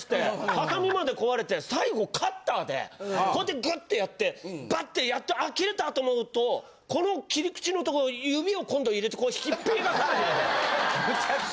ハサミまで壊れて最後カッターでこうやってグッてやってバッてやっと開けれたと思うとこの切り口の所指を今度入れて引っぺがさなきゃいけない。